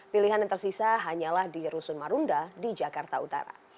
pilihan yang tersisa hanyalah di rusun marunda di jakarta utara